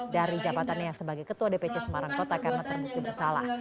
dari jabatannya sebagai ketua dpc semarang kota karena terbukti bersalah